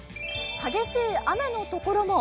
激しい雨の所も。